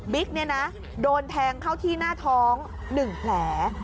บิ๊กเนี่ยนะโดนแทงเข้าที่หน้าท้อง๑แผล